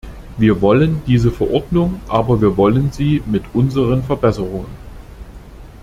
Wir wollen diese Verordnung, aber wir wollen sie mit unseren Verbesserungen.